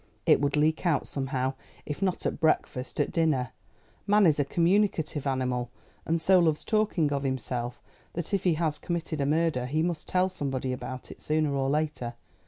It would leak out somehow if not at breakfast, at dinner. Man is a communicative animal, and so loves talking of himself that if he has committed murder he must tell somebody about it sooner or later.